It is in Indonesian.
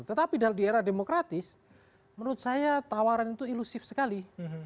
tetapi dalam di era demokratis menurut saya tawaran itu ilusif sekali